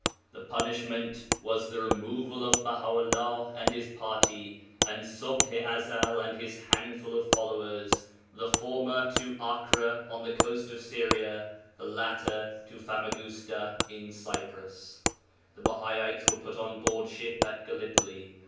The punishment was the removal of Baha 'ullah and his party and Ṣubḥ i Ezel and his handful of followers, the former to Akka (Acre) on the coast of Syria, the latter to Famagusta in Cyprus. The Bahaites were put on board ship at Gallipoli.